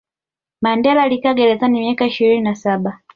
mandela alikaa gerezani miaka ishirini na saba